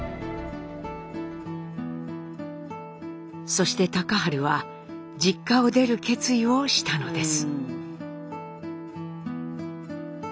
そして隆治は実家を出る決意をしたのです。